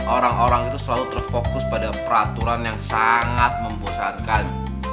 orang orang itu selalu terfokus pada peraturan yang sangat membosankan